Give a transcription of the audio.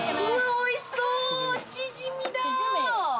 おいしそう、チヂミだ。